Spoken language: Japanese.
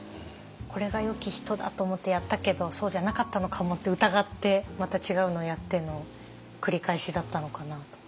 これがよき人だと思ってやったけどそうじゃなかったのかもって疑ってまた違うのをやっての繰り返しだったのかなと。